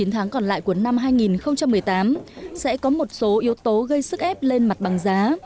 chín tháng còn lại của năm hai nghìn một mươi tám sẽ có một số yếu tố gây sức ép lên mặt bằng giá